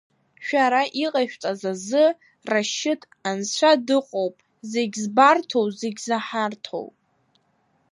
Шәара иҟашәҵаз азы, Рашьыҭ, анцәа дыҟоуп, зегьы збарҭоу, зегь заҳарҭоу.